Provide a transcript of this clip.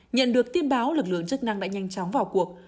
nhận được tin báo lực lượng chức năng đã nhanh chóng vào cuộc